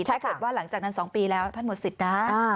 ถ้าเกิดว่าหลังจากนั้น๒ปีแล้วท่านหมดสิทธิ์นะ